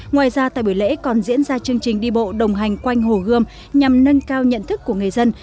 ngoài ra tại buổi lễ còn diễn ra chương trình đi bộ đồng hành quanh hồ gươm nhằm nâng cao nhận thức của người dân